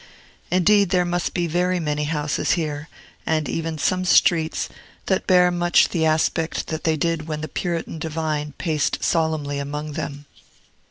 Indeed, there must be very many houses here, and even some streets, that bear much the aspect that they did when the Puritan divine paced solemnly among them.